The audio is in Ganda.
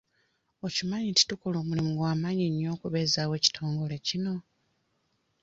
Okimanyi nti tukola omulimu gwa maanyi nnyo okubeezaawo ekitongole kino?